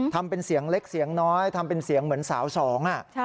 ทำเป็นเสียงเล็กเสียงน้อยทำเป็นเสียงเหมือนสาวสอง